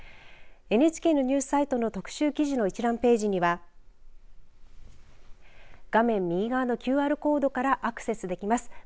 ＮＨＫのニュースサイトの特集記事の一覧ページには画面右側のＱＲコードからアクセスできます。